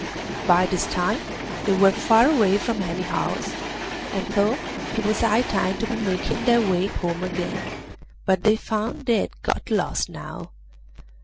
By this time they were far away from any house, and thought it was high time to be making their way home again, but they found they had got lost now.